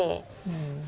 terus itu satu